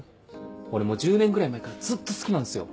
俺もう１０年ぐらい前からずっと好きなんですよ。